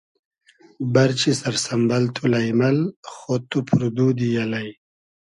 بئرچی سئر سئمبئل تو لݷمئل خۉد تو پور دودی الݷ